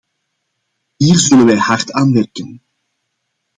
Hier zullen wij hard aan werken.